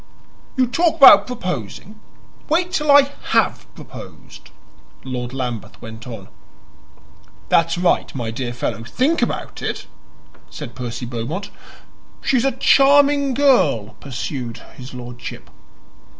"You talk about proposing: wait till I HAVE proposed," Lord Lambeth went on. "That's right, my dear fellow; think about it," said Percy Beaumont. "She's a charming girl," pursued his lordship.